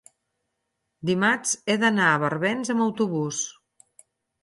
dimarts he d'anar a Barbens amb autobús.